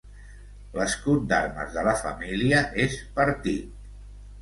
L'escut d'armes de la família és partit.